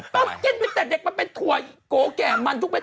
เด็กเด็กมันเป็นถั่วไอ้โกแก่มันทุกเม็ด